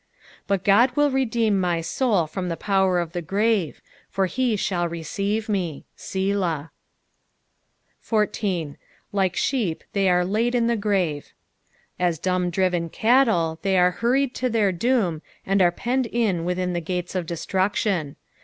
15 But God will redeem my soul from the power of the grave ; for he shall receive me. Selah. 14. " LHt» Aeep they are laid in tie frtnt." Ab dumb driven cattle, tbey an hunied to tbeir doiim, and are penned in within tha gates of dcBtraction.